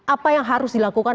apa yang harus dilakukan